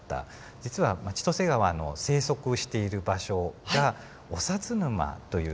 実は千歳川の生息している場所が長都沼というですね